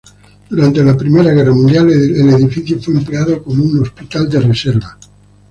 Durante la Primera Guerra Mundial el edificio fue empleado como un hospital de reserva.